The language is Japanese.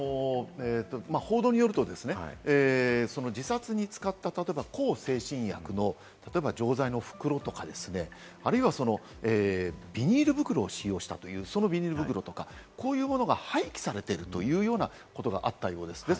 報道によると自殺に使った向精神薬の錠剤の袋とかですね、あるいはビニール袋を使用したという、そのビニール袋とか、こういうものが廃棄されているというようなことがあったようです。